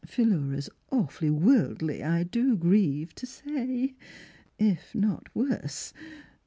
Philura's awful worldly, I do grieve to say — if not worse.